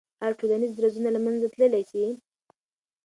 آیا ټولنیز درزونه له منځه تللی سي؟